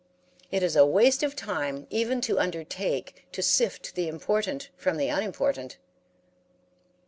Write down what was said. It is a waste of time even to undertake to sift the important from the unimportant.